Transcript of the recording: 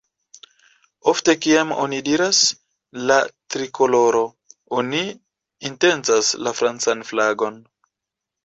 Ofte kiam oni diras "la trikoloro", oni intencas la francan flagon.